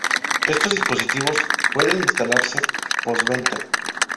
Estos dispositivos pueden instalarse post-venta.